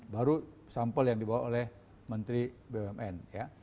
baru sampel yang dibawa oleh menteri bumn